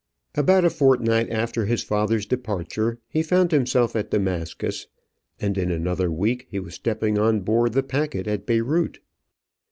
About a fortnight after his father's departure, he found himself at Damascus, and in another week, he was stepping on board the packet at Beyrout.